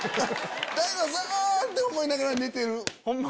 大悟さんあって思いながら寝てる。